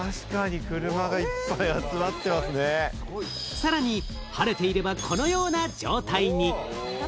さらに晴れていれば、このような状態に。